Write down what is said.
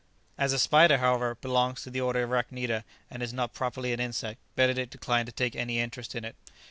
As a spider, however, belongs to the order of the arachnida, and is not properly an "insect," Benedict declined to take any interest in it.